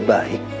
bapak tidak boleh